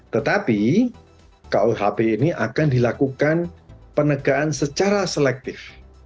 tetapi kuhp ini akan dilakukan penegaan secara selektif